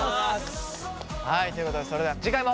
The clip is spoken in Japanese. はいということでそれでは次回もお楽しみに！